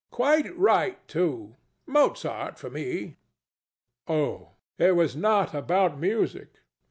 Quite right, too. Mozart for me! THE DEVIL. Oh, it was not about music.